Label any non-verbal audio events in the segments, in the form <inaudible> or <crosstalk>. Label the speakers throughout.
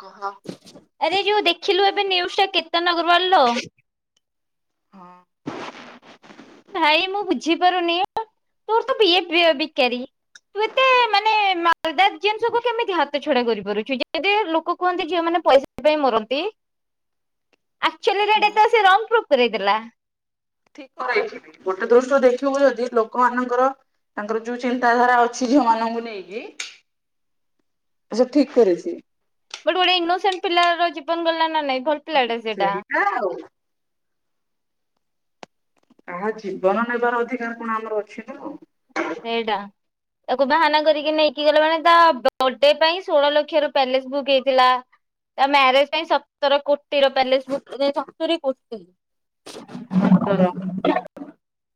Speaker 1: କହ।
Speaker 2: ଆରେ ଯୋଉ ଦେଖିଲୁ ଏବେ ନିୟୁଜଟା କେ <unintelligible>
Speaker 1: ହଁ
Speaker 2: ଭାଇ ମୁଁ ବୁଝିପାରୁନି ତୋର ତ ବିଏ ବି ବିକାରି। ତୁ ଏତେ ମାନେ ମାଲଦାର ଜିନିଷକୁୁ କେମିତି ହାତ ଛଡା କରି ଛୁ ଯେମିତି ଲୋକ କୁହନ୍ତି ଝିଅମାନେ ପଇସା ପାଇଁ ମରନ୍ତି। ଅକ୍ଚୂଆଲିରେ ଏଟା ତ ସେ ରଙ୍ଗ ପ୍ରୁଫ କରେଇଦେଲା।
Speaker 1: ଗୋଟେ ଦୃଷ୍ଟିରୁ ଦେଖିବୁ ଯଦି ଲୋକମାନଙ୍କର ତାଙ୍କର ଯୋଉ ଚିନ୍ତାଧାରା ଅଛି ଝିଅମାନଙ୍କୁ ନେଇକି ଆଛା ଠିକ କରିଛି।
Speaker 2: ଗୋଟେ ଇନୋସେଣ୍ଟ ପିଲାର ଜୀବନ ଗଲା ନା ନାଇଁ। ଭଲ ପିଲାଟା ସେଇଟା।
Speaker 1: କାହା ଜୀବନ ନେବାର ଅଧିକାର କଣ ଆମର ଅଛି ନା?
Speaker 2: ସେଇଟା। ତାକୁ ବାହାନା କରିକି ନେଇକି ଗଲେ, ମାନେ ତା ବର୍ଥଡେ ପାଇଁ ଷୋଳ ଲକ୍ଷର ପ୍ୟାଲେସ ବୁକ୍ ହେଇଥିଲା। ତା ମ୍ୟାରେଜ ପାଇଁ ସତର କୋଟିର ପ୍ୟାଲେସ ବୁକ୍, ସତୁରୀ କୋଟି।
Speaker 1: ସତର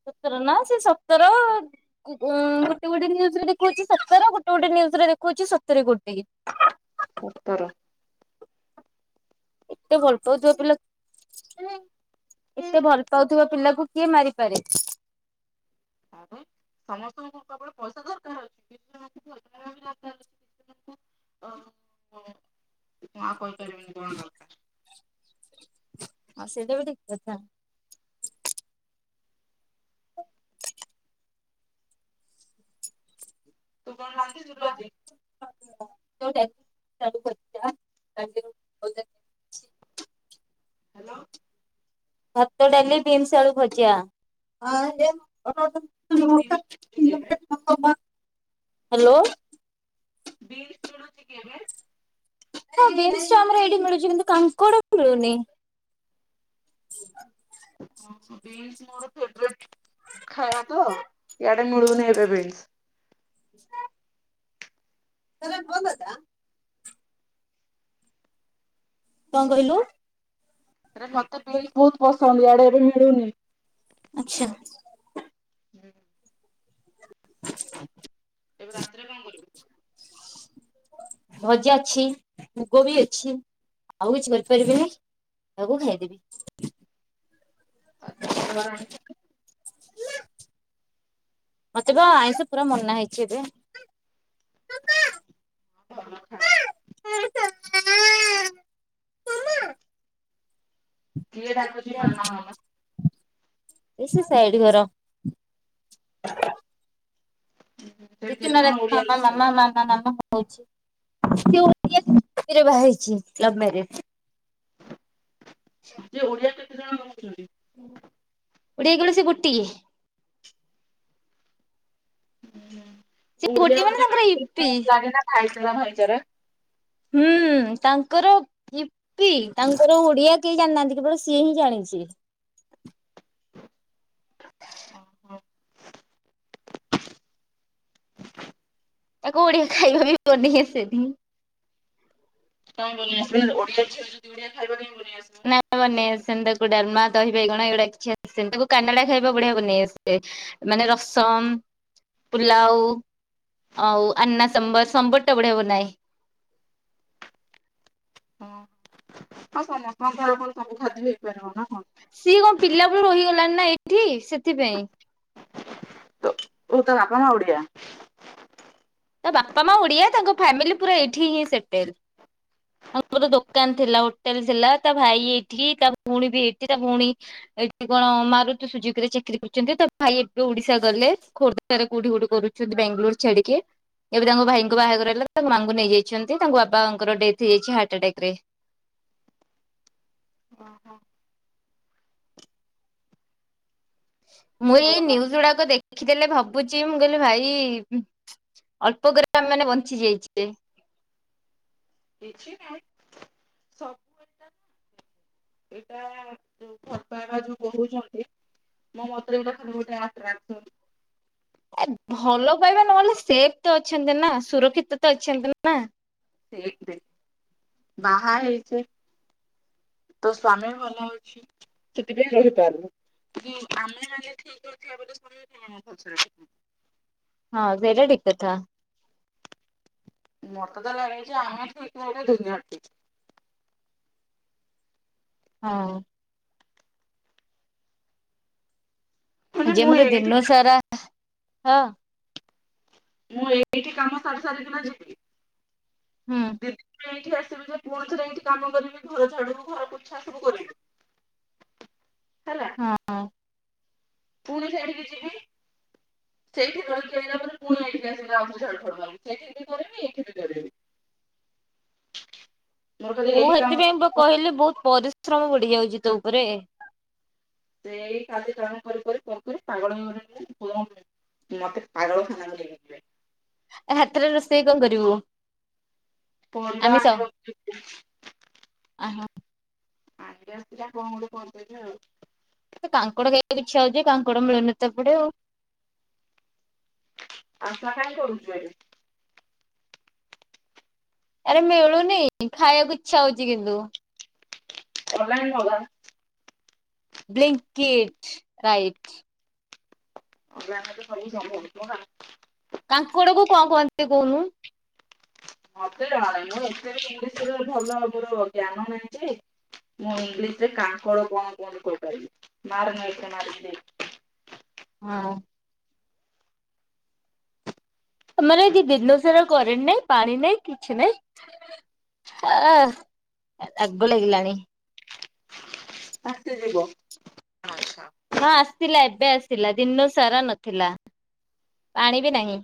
Speaker 2: ସତର ନା ସେ ସତର ଉଁ ଗୋଟେ ଗୋଟେ ନିୟୁଜରେ ଦେଖଉଛି ସତର ଗୋଟେ ଗୋଟେ ନିୟୁଜରେ ଦେଖଉଛି ସତର କୋଟି।
Speaker 1: ସତର।
Speaker 2: ଏତେ ଭଲ ପାଉଥିବା ପିଲା ଏତେ ଭଲ ପାଉଥିବା ପିଲାକୁ କିଏ ମାରିପାରେ?
Speaker 1: ଆରେ ସମସ୍ତଙ୍କୁ କେବଳ ପଇସା ଦରକାର ଅଛି <unintelligible> ନା କହିପାରିବିନି କଣ ଦରକାର?
Speaker 2: ହଁ ସେଇଟାବି ଠିକ କଥା।
Speaker 1: ତୁ କଣ ରାନ୍ଧିଥିଲୁ
Speaker 2: ହଁ।
Speaker 1: ଆଜି?
Speaker 2: <unintelligible>
Speaker 1: ହ୍ୟାଲୋ।
Speaker 2: ଭାତ, ଡାଲି, ବିମସ ଆଳୁ ଭଜା
Speaker 1: କଣ ବିନ୍ସ ମିଳୁଛି କି ଏବେ?
Speaker 2: <unintelligible> ହ୍ୟାଲୋ।
Speaker 1: ବୀନ୍ସ ମିଳୁଛିି କି ଏବେ?
Speaker 2: ହଁ ବିମ୍ସ ତ ଏଠି ମିଳୁଛି, କିନ୍ତୁ କାଙ୍କଡ ମିଳୁନି? ହ
Speaker 1: <unintelligible> ଖାଇବା ତ ଇଆଡେ ମିଳୁନି ଏବେ ବେସ
Speaker 2: ସେଇଟା ଭଲ ଟା। କଣ କହିଲୁ?
Speaker 1: ଆରେ ମତେ ବିନ୍ସ ବହୁତ ପସନ୍ଦ ଆଡେ ଏବେ ମିଳୁନି।
Speaker 2: ଆଛା।
Speaker 1: ହୁଁ।
Speaker 2: <inaudible>
Speaker 1: ଏବେ ରାତିରେ କଣ କରିବୁ?
Speaker 2: <inaudible> ଭଜା ଅଛି, ମୁଗ ବି ଅଛି, ଆଉ କିଛି କରିପାରିବିନି। ଆକୁ ଖାଇଦେବି।
Speaker 1: ଆଜି ଶୁକ୍ରବାର ଆଇଁଷ କ
Speaker 2: ମତେ ବା ଆଇଁଷ ପୁରା ମନା ହେଇଛି ଏବେ।
Speaker 1: ଭଲ ଖା କିଏ ଡାକୁଛି ମାମା ମାମା?
Speaker 2: ଏଇ ସେ ସାଇଡ ଘର। ଏ
Speaker 1: ସେଠି କେତେ
Speaker 2: ଦିନ
Speaker 1: ଜଣ
Speaker 2: ରାତି
Speaker 1: ଓଡିଆ
Speaker 2: ମାମା ମାମା
Speaker 1: ରହୁଛନ୍ତି
Speaker 2: ମାମା ମାମା ହୋ ମାମା ସିଏ ତ ଖୁସି ରେ ବାହା ହେଇଛି ଲଭ୍ ମ୍ୟାରେଜ
Speaker 1: ଯେ ଓଡ଼ିଆ କେତେ ଜଣ <unintelligible> ଛନ୍ତି?
Speaker 2: ଓଡ଼ିଆ କଣ ସିଏ ଗୋଟିଏ?
Speaker 1: ହଁ
Speaker 2: ସେ
Speaker 1: ଓଡ଼ିଆ
Speaker 2: ଗୋଟିଏ ମାନେ
Speaker 1: ଗୋଟେ
Speaker 2: ତାଙ୍କର ଇପି
Speaker 1: <inaudible> ଖାଇଛ ନା ଖାଇଚରେ।
Speaker 2: ହୁଁ ଉଁ ତାଙ୍କର ଇପ୍ପି ତାଙ୍କର ଓଡ଼ିଆ କେହି ଜାଣିନାହାନ୍ତି କେବଳ ସିଏ ହିଁ ଜାଣିଛି। ଭ
Speaker 1: ଓ ହୋ।
Speaker 2: ତାକୁ ଓଡ଼ିଆ ଖାଇବା ବି ବନେଇ ଆସେନି।
Speaker 1: କାଇଁ ମାନେ ଓଡ଼ିଆ ଝିଅ ଯଦି ଓଡ଼ିଆ ଖାଇବା କାଇଁ ବନେଇ ଆସିବନି।
Speaker 2: ନା ବନେଇ ଆସେନି ତା କୁ ଡାଲମା ଦହି ବାଇଗଣ ଏଉଡ଼ା କିଛି ଆସେନ ତାକୁ କାନାଡା ଖାଇବା ବଢିଆ ବନେଇ ଆସେ ମାନେ ରସମ୍ ପୁଲାଉ ଆଉ ଆନାସମ୍ବର୍ ସମ୍ୱର୍ ଟା ବଢ଼ିଆ ବନାଏ। <inaudible>
Speaker 1: ଅଁ ଆଉ ସମସ୍ତଙ୍କଠି ଆଉ କଣ ସବୁ ଖାଦ୍ୟ ହେଇପାରିବ ନା କଁ।
Speaker 2: ସିଏ କଁ ପିଲା ବେଳୁ ରହିଗଲାଣି ନା ଏଇଠି ସେଥିପାଇଁ।
Speaker 1: ତ ତ ତା ବାପା ମା ଓଡ଼ିଆ।
Speaker 2: ତା ବାପା ମା ଓଡ଼ିଆ ତାଙ୍କ ଫ୍ୟାମିଲି ପୁରା ଏଇଠି ହିଁ ସେଟେଲ୍। ମୋରେ ଦୋକାନ ଥିଲା ହୋଟେଲ ଥିଲା ତା ଭାଇ ଏଇଠି ତା ଭୋଉଣୀ ବି ଏଇଠି ତା ଭୋଉଣୀ ଏଇଠି କଣ ମାରୁତି ସୁଜୁକିରେ ଚାକିରି କରିଛନ୍ତି ତା ଭାଇ ଏବେ ଓଡିଶା ଗଲେ ଖୋର୍ଦ୍ଧାରେ କୋଉଠି ଗୋଟେ କରୁଛନ୍ତି ବାଙ୍ଗଲୋର୍ ଛାଡ଼ି କି। ଏବେ ତାଙ୍କ ଭାଇଙ୍କ ବାହାଘର ହେଲା ତାଙ୍କ ମାଆଙ୍କୁ ନେଇଯାଇଛନ୍ତି ତାଙ୍କ ବାପାଙ୍କର ଡେଥ୍ ହେଇଯାଇଛି ହାର୍ଟ ଆଟାକ ରେ। ଥ
Speaker 1: ଓହୋ। ତୁ
Speaker 2: ମୁଁ ଏଇ
Speaker 1: ଘର ପା
Speaker 2: ନିୟୁଜ୍ ଉଡ଼ାକ ଦେଖିଦେଲେ ଭାବୁଛି ମୁଁ କହିଲି ଭାଇ ଅଳ୍ପ କରି ଆମେମାନେ ବଞ୍ଚି ଯାଇଚେ।
Speaker 1: କିଛି ନାଇଁ ସବୁ ଏକା ନୁଅଁ। ଏଇଟା ଯୋଉ ଭଲ୍ ପାଇବା ଯୋଉ କହୁଛନ୍ତି ମ ମତରେ ଏଇଟା ଖାଲି ଗୋଟେ ଆଟ୍ ରାଙ୍କ୍ ଟୋନ୍।
Speaker 2: ଏ ଭଲ ପାଇବା ନହେଲେ ସେଫ୍ ତ ଅଛନ୍ତି ନା ସୁରକ୍ଷିତ ତ ଅଛନ୍ତି ନା।
Speaker 1: ଦେକ୍ ତେ ବାହା ହେଇଛେ ତ ସ୍ଵାମୀ ଭଲ ହୋଉଛି ସେଥିପାଇଁ ରହିପାରୁନୁ। କି ଆମେ ନା ଲେଖେଇକି ଏଠି ଅବଦ ସମୟ କାଇଁ <unintelligible> ହୋଉଛେ।
Speaker 2: ହଁ ସେଇଟା ଠିକ୍ କଥା।
Speaker 1: ମତେ ତ ଲାଗୁଛି ଆମେ ଠିକ୍ ହେଲେ ଦୁନିଆ ଠିକ୍।
Speaker 2: ହଁ।
Speaker 1: ମାନେ
Speaker 2: ଆଜି
Speaker 1: ମୁଁ
Speaker 2: ଆମର
Speaker 1: ଏଇଠି
Speaker 2: ଦିନ ସାରା ହଁ।
Speaker 1: ମୁଁ ଏତିକି କାମ ସାରି ସାରି ଦିନ ଯିବି କି?
Speaker 2: ହୁଁ
Speaker 1: ଦେ ପ୍ରାଇ ଏଠି ଆସିବି ଯେ ପୁଅ ଥରେ ଏଠି କାମ କରିବି ଘର ଝାଡ଼ିବୁ ଘର ପୋଛା ସବୁ କରିବୁ।
Speaker 2: ହଁ।
Speaker 1: ପୁଣି ସେଇଠିକି ଯିବି। ସେଇଠି ରହିକି ଆଇଲା ପରେ ପୁଣି ଏଇଠିକି ଆସିକିନା ଆଉ ଥରେ ଝାଡ଼ୁ ଫାଡ଼ୁ ମାରିବି ସେଇଠି ବି କରିବି ଏଇଠି ବି କରିବି। ମୋର ଖାଲି
Speaker 2: ମୁଁ
Speaker 1: ଏଇ
Speaker 2: ସେଥିପାଇଁ ପା
Speaker 1: କାମ
Speaker 2: କହିଲି ବୋହୁତ୍ ପରିଶ୍ରମ ବଢ଼ି ଯାଉଛି ତୋ ଉପରେ।
Speaker 1: ସେଇ କାର୍ଯ୍ୟ କାରଣ କରି କରି କରି କରି ପୁଣି ଥରେ ପାଗଳ ହେଇଗଲିଣି ମୁଁ <unintelligible> ମତେ ପାଗଳ ଖାନା ନେଇଯିବେ।
Speaker 2: ଏ ହାତରେ ରୋଷେଇ କଣ କରିବୁ।
Speaker 1: ପରିବା
Speaker 2: ଆମିଷ
Speaker 1: ଆଣି <inaudible> ଯାଇଥିଲି।
Speaker 2: ଆହା
Speaker 1: <unintelligible> କଣ ଗୋଟେ କରିଦେଇଥା ଆଉ।
Speaker 2: ମତେ କାଙ୍କଡ ଖାଇବାକୁ ଇଛା ହଉଛି ଯେ କାଙ୍କଡ ମିଳୁନ ତ ଏପଟେ ଆଉ।
Speaker 1: ଆଶା କାଇଁ କରୁଛୁ ଏବେ।
Speaker 2: ଆରେ ମିଳୁନି ଖାଇବାକୁ ଇଚ୍ଛା ହଉଛି କିନ୍ତୁ।
Speaker 1: ଅନଲାଇନ ମଗା।
Speaker 2: Blinkit right.
Speaker 1: <unintelligible>
Speaker 2: କାଙ୍କଡକୁ କଣ କୁହନ୍ତି ଟିକେ କହୁନୁ।
Speaker 1: ମତେ ଜଣାନାହିଁ ମୋର ଏତେ ବି ଇଂଲିଶ ଭଲ ଜ୍ଞାନ ନାହିଁ ଯେ ମୁଁ ଇଂଲିଶ ରେ କାଙ୍କଡ କୁ କଣ କୁହନ୍ତି କହିପାରିବି। ମାର ନେଟ୍ ରେ ମାରିକି ଦେଖ।
Speaker 2: ହଁ। ଆମର ଏଠି ଦିନସାରା କରେଣ୍ଟ ନାହିଁ ପାଣି ନାହିଁ କିଛି ନାହିଁ। ହଁ ରାଗ ଲାଗିଲାଣି।
Speaker 1: ଆସିଲେ ଯିବ। ଆଚ୍ଛା।
Speaker 2: ହଁ ଆସିଥିଲା ଏବେ ଆସିଥିଲା ଦିନ ସାରା ନଥିଲା। ପାଣି ବି ନାହିଁ।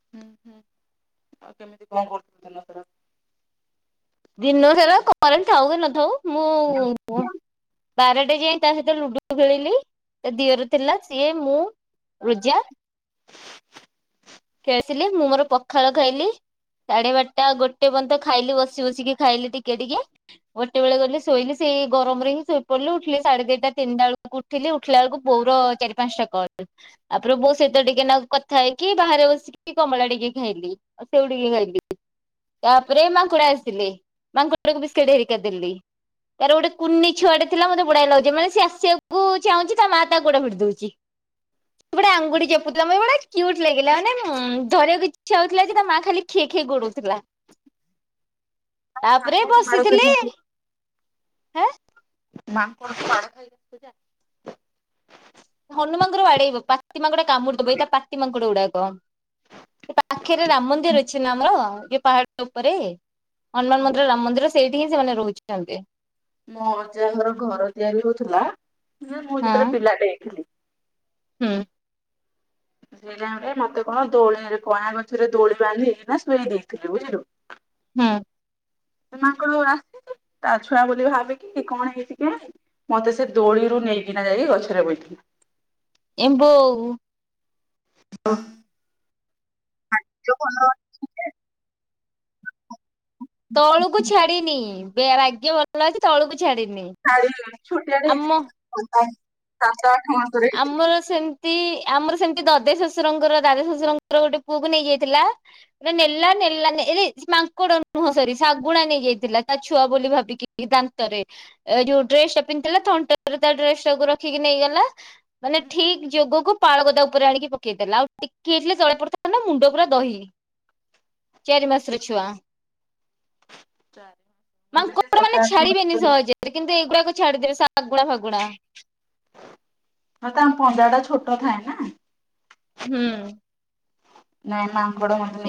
Speaker 1: ହୁଁ ହୁଁ ଆଉ କେମିତି କଣ କରୁଥିଲ ଦିନସାରା?
Speaker 2: ଦିନସାରା କରେଣ୍ଟ ଥାଉ କି ନଥାଉ
Speaker 1: <inaudible>
Speaker 2: ବାରଟେ ଯାଏ ତା ସହିତ ଲୁଡୁ ଖେଳିଲି ତା ଦିଅର ଥିଲା ସିଏ ମୁଁ ରୁଜା। ଖେଳିଥିଲି ମୁଁ ମୋର ପଖାଳ ଖାଇଲି। ସାଢେ ବାରଟା ଗୋଟେ ପର୍ଯ୍ୟନ୍ତ ଖାଇଲି ବସି ବସିକି ଖାଇଲି ଟିକେ ଟିକେ। ଗୋଟେ ବେଳେ ଗଲି ଶୋଇଲି ସେ ସେଇ ଗରମରେ ହିଁ ଶୋଇ ପଡିଲି। ଉଠିଲି ସାଢେ ଦିଟା ତିନିଟା ବେଳକୁ ଉଠିଲି। ଉଠିଲା ବେଳକୁ ବୋଉ ର ଚାରି ପାଞ୍ଚଟା କଲ। ତାପରେ ବୋଉ ସହିତ ଟିକେ ନାକୁ କଥା ହେଇକି ବାହାରେ ବସିକି କମଳା ଟିକେ ଖାଇଲି ଆଉ ସେଉ ଟିକେ ଖାଇଲି। ତାପରେ ମାଙ୍କଡ ଆସିଥିଲେ। ମାଙ୍କୁଡଙ୍କୁ ବିସ୍କେଟ ହେରିକା ଦେଲି। ତାର ଗୋଟେ କୁନି ଛୁଆଟେ ଥିଲା ମୋତେ ବଢିଆ ଲାଗୁଛି। ମାନେ ସେ ଆସିବାକୁ ଚାହୁଁଛି ତା ମା ତା ଗୋଟେ ଭିଡ଼ି ଦଉଛି। ସେ ଗୋଟେ ଆଙ୍ଗୁଠ <unintelligible> ଗୋଟେ କ୍ୟୁଟ ଲାଗିଲା ମାନେ ଧରିବାକୁ ଇଛା ହଉଥିଲା ଯେ ତା ମା ଖାଲି ଖି ଖିଇ ଗଡଉଥିଲା। ତାପରେ
Speaker 1: ମାଙ୍କଡ ମାଡ
Speaker 2: ବସିଥିଲି।
Speaker 1: ଖାଇକି
Speaker 2: ଆଁ
Speaker 1: ମାଙ୍କଡ଼ ଠୁ ମାଡ ଖାଇଚୁ। <unintelligible>
Speaker 2: ହନୁମାଙ୍କର ବାଡେଇବ ପାତି ମାଙ୍କଡ କାମୁଡିଦବ ଏଇରା ପାତିମାଙ୍କଡ ଗୁଡା। କ ଏଇ ପାଖରେ ରାମ ମନ୍ଦିର ଅଛି ନା ଆମର ଏ ପାହାଡ ଉପରେ। ହନୁମାନ
Speaker 1: ହଁ
Speaker 2: ମନ୍ଦିର ରାମ ମନ୍ଦିର ସେଇଠି ହିଁ ସେମାନେ ରହୁଛନ୍ତି।
Speaker 1: ମୋ ଅଜା ଘର ଘର ତିଆରି ହଉଥିଲା ମାନେ ମୁଁ
Speaker 2: ହଁ
Speaker 1: ଯେତେବେଳେ ପିଲାଟେ ହେଇଥିଲି।
Speaker 2: ହୁଁ।
Speaker 1: ସେଇ ଟାଇମ ରେ ମତେ କଣ ଦୋଳିରେ କଇଁଆ ଗଛରେ ଦୋଳି ବାନ୍ଧିକିନା ଶୋଏଇ ଦେଇଥିଲେ। ବୁଝିଲୁ
Speaker 2: ହୁଁ।
Speaker 1: ସେ ମାଙ୍କଡ ଗୁରା ତା ଛୁଆ ବୋଧେ ଭାବିକି କଣ ହେଇଛି କେଜାଣି ମତେ ସେ ଦୋଳିରୁ ନେଇକିନା ଯାଇ ଗଛରେ ବଇଥିଲେ।
Speaker 2: ଏମ୍ ବୋଉ।
Speaker 1: <unintelligible> ଭାଗ୍ୟ ଭଲ ଅଛି ଯେ
Speaker 2: ତଳକୁ ଛାଡିନି। ବେଳା ଭାଗ୍ୟ ଭଲ ଅଛି ତଳକୁ
Speaker 1: ଛାଡିନି। ଛୋଟିଆଟେ ହେଇଥିଲି ସାତ ଆଠ ମାସର ହେଇଥିଲି।
Speaker 2: ତି ଆମର ସେମିତି ଦଦେଇ ଶଶୁରଙ୍କର ଦାଦା ଶଶୁରଙ୍କର ଗୋଟେ ପୁଅକୁ ନେଇଯାଇଥିଲା। ମାନେ ନେଲାନି ନେଲାନି ଏ ରେ ସେ ମାଙ୍କଡ ନୁହଁ ସରି ଶାଗୁଣା ନେଇଯାଇଥିଲା ତା ଛୁଆ ବୋଲି ଭାବିକି ଦାନ୍ତରେ। ଏ ଯୋଉ ଡ୍ରେସ ଟା ପିନ୍ଧିଥିଲା ଥଣ୍ଟରେ ତା ଡ୍ରେସ ଟାକୁୁ ରଖିକି ନେଇଗଲା। ମାନେ ଠିକ୍ ଯୋଗକୁ ପାଳ ଗଦା ଉପରେ ଆଣିକି ପକେଇଦେଲା ଆଉ ଟିକେ ହେଇଥିଲେ ତଳେ ପଡିଥାନ୍ତା ମୁଣ୍ଡ ପୁରା ଦହି। ଚାରି ମାସର ଛୁଆ।
Speaker 1: ମୁଁ
Speaker 2: ମାଉଁ
Speaker 1: ବି ସେଇ
Speaker 2: କପଡ଼ା
Speaker 1: ସାତ
Speaker 2: ମାନେ
Speaker 1: ଆଠ
Speaker 2: ଛାଡିବେନି
Speaker 1: ମାସର
Speaker 2: ସହଜରେ କିନ୍ତୁ ଏଇଗୁଡାକ ଛାଡ଼ିଦେବେ ଶାଗୁଣା ଫାଗୁଣା।
Speaker 1: ହଁ ତାଙ୍କ ପଞ୍ଜା ଟା ଛୋଟ ଥାଏ ନା।
Speaker 2: ହୁଁ।
Speaker 1: <unintelligible>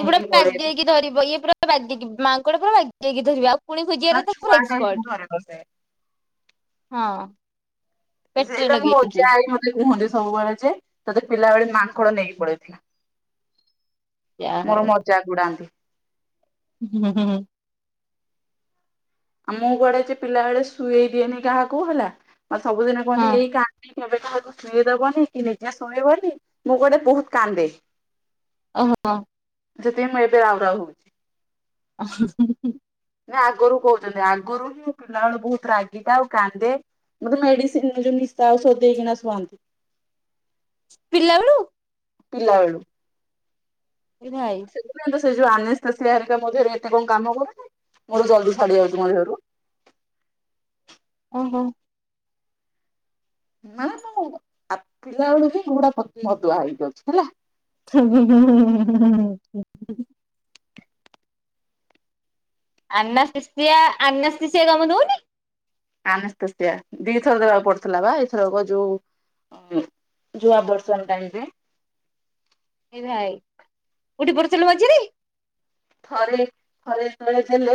Speaker 2: ଇ ଏ ପୁରା
Speaker 1: ଗୋଡେଇବେ
Speaker 2: ବାଗେଇକି ଧରିବ ଇଏ ପୁରା ବାଗେଇକି ମାଙ୍କଡ ପୁରା ବାଗେଇକି ଧରିବା ଆଉ। ଉଙ୍କୁଣୀ
Speaker 1: ତା
Speaker 2: ଖୋଜିବାରେ ତ
Speaker 1: ଛୁଆ
Speaker 2: ପୁରା
Speaker 1: ଟା
Speaker 2: ଏକ୍ସପଟ।
Speaker 1: ହିଁ ଘରେ ବସେ।
Speaker 2: ହଁ। ପେଟରେ
Speaker 1: ସେଇଡା ମୋ
Speaker 2: ଲଗେଇକି
Speaker 1: ଅଜା ଆଇ ମତେ କୁହନ୍ତି ସବୁ ସବୁବେଳେ ଯେ ତତେ ପିଲାବେଳେ ମାଙ୍କଡ ନେଇକି ପଳେଇଥିଲା।
Speaker 2: ଯାହା
Speaker 1: ମୋର
Speaker 2: ହଉ
Speaker 1: ମଜାକ୍ ଉଡାନ୍ତି।
Speaker 2: ହୁଁ ହୁଁ।
Speaker 1: ଆଉ ମୁଁ କୁଆଡେ ଯେ ପିଲା ବଳେ ଶୁଏଇ ଦିଏନି କାହାକୁ ହେଲା ମତେ ସବୁଦିନେ କୁହନ୍ତି
Speaker 2: ହଁ
Speaker 1: ଏଇ କାନ୍ଦି କେବେ କାହାକୁ ଶୁଏଇଦବନି କି ନିଜେ ଶୋଇବନି ମୁଁ କୁଆଡ଼େ ବହୁତ କାନ୍ଦେ।
Speaker 2: ଓ ହୋ।
Speaker 1: ସେଥି ପାଇଁ ମୁଁ ଏବେ ରାଉ ରାଉ ହଉଛି।
Speaker 2: ହଁ।
Speaker 1: ନା ଆଗରୁ କହୁଛନ୍ତି ଆଗରୁ ହୁଁ ମୁ ପିଲାବେଲୁ ବହୁତ ରାଗିଟା ଆଉ କାନ୍ଦେ। ମତେ ମେଡିସିନ୍ ଯଉ ନିଶା ଔଷଧ ଦେଇକିନା ଶୁଆନ୍ତି।
Speaker 2: ପିଲାବେଳୁ!
Speaker 1: ପିଲାବେଳୁ।
Speaker 2: ଏ ଭାଇ।
Speaker 1: ସେଥିପାଇଁ ତ ସେ ଯୋଉ ଆନେସ୍ ସ୍ତେସିଆ ହେରିକା ମୋ ଦେହରେ ଏତେ କଣ କାମ କରୁଛି ମୋର ଜଲଦି ଛାଡି ଯାଉଛି ମୋ ଦେହରୁ।
Speaker 2: <unintelligible> ହୁଁ ହୁଁ।
Speaker 1: ମାନେ ମୁଁ ପିଲା ବେଳୁ ହିଁ ଘୋଡା ମଦୁଆ ହେଇକି ଅଛି ହେଲା।
Speaker 2: ହୁମ୍ ହୁମ। ଆନା ସ୍ତେଶିଆ ଆନା ସ୍ତେଶିଆ କାମ ଦଉନି।
Speaker 1: ଆନାସ୍ତେସ୍ତିଆ ଦିଥର ଦେବାକୁ ପଡୁଥିଲା ବା ଏଇଥରକ ଯୋଉ ଅଁ ଯୋଉ ଆବୋଷନ୍ ଟାଇମରେ।
Speaker 2: ଏ ଭାଇ କୋଉଠି ପଢୁଥିଲୁ ମଝିରେ?
Speaker 1: ଥରେ ଥରେ ଯେତେବେଳେ ଦେଲେ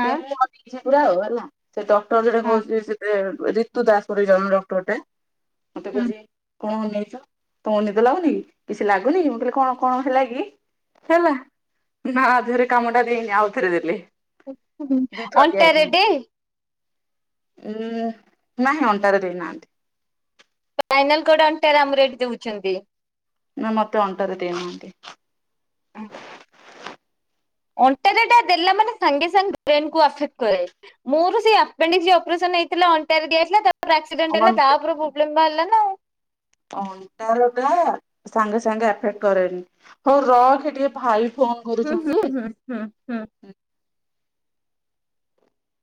Speaker 1: ସେ ମୁଁ ଅନେଇଛି ପୁରା ଆଉ ହେଲା। ସେ ଡକ୍ଟର ଜଣେ
Speaker 2: ହଁ।
Speaker 1: କହୁଛି ସେ ରିତୁ ଦାସ ପରି ଜଣେ ଡକ୍ଟରଟେ ମତେ କହୁଛି କଣ ଅନେଇଚ ତମକୁ ନିଦ ଲାଗୁନି କି କିଛି ଲାଗୁନି କି ମୁଁ କହିଲି କଣ କଣ ହେଲା କି? ହେଲା ନା ଆ ଦେହରେ କାମ ଟା ଦେଇନି ଆଉ ଥରେ ଦେ। ଦିଥର
Speaker 2: ଅଣ୍ଟାରେ ଟେ
Speaker 1: ଦିଆହେଇଥାନ୍ତା ଉଁ। ନାହିଁ ଅଣ୍ଟାରେ ଦେଇନାହାନ୍ତି।
Speaker 2: ଫାଇନାଲ କୋଉଟା ଅଣ୍ଟାରେ ଆମର ଏଠି ଦଉଛନ୍ତି।
Speaker 1: ନା ମତେ ଅଣ୍ଟାରେ ଦେଇନାହାନ୍ତି।
Speaker 2: ଅଣ୍ଟାରେ ଏଟା ଦେଲା ମାନେ ସାଙ୍ଗେ ସାଙ୍ଗେ ବ୍ରେନ କୁ ଅଫେକ୍ଟ କରେ ମୋର ସେହି ଅପେଣ୍ଡିଜ୍ ଅପରେସନ ନେଇଥିଲା ଅଣ୍ଟାରେ ଦିଆହେଇଥିଲା ତାପରେ ଆକ୍ସିଡେଣ୍ଟ ହେଲା ତାପରେ ପ୍ରୋବଲେମ ବାହାରିଲା। ନା ଆଉ।
Speaker 1: ଅଣ୍ଟା ରୁ ଦେ ସାଙ୍ଗେ ସାଙ୍ଗେ ଆଫେକ୍ଟ କରେନି, ହଉ ରଖେ ଟିକେ ଭାଇ ଫୋନ
Speaker 2: ହୁଁ ହୁଁ
Speaker 1: କରୁଛନ୍ତି।
Speaker 2: ହୁଁ ହୁଁ ହୁଁ।